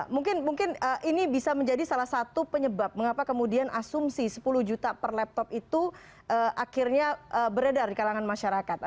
mungkin ini bisa menjadi salah satu penyebab mengapa kemudian asumsi sepuluh juta per laptop itu akhirnya beredar di kalangan masyarakat